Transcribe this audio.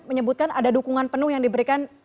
menyebutkan ada dukungan penuh yang diberikan